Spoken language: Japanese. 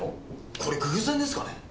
これ偶然ですかね？